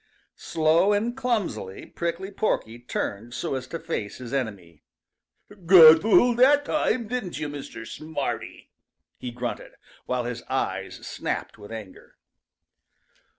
Slowly and clumsily Prickly Porky turned so as to face his enemy. "Got fooled that time, didn't you, Mr. Smarty?" he grunted, while his eyes snapped with anger.